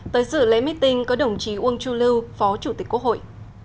tới dự lễ meeting có đồng chí uông chu lưu phó chủ tịch quốc hội